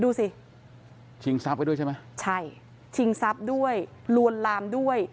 ดูสิชิงทรัพย์ไว้ด้วยใช่ไหมใช่ชิงทรัพย์ด้วยลวนลามด้วย